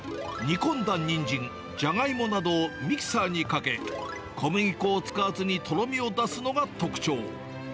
煮込んだニンジン、ジャガイモなどをミキサーにかけ、小麦粉を使わずにとろみを出すのが特徴。